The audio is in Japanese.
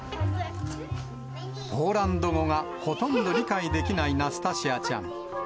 ポーランド語がほとんど理解できないナスタシアちゃん。